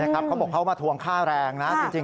ค่าแรงอะไรอ่ะ